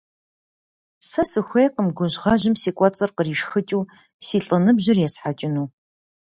Сэ сыхуейкъым гужьгъэжьым си кӀуэцӀыр къришхыкӀыу си лӀыныбжьыр есхьэкӀыну.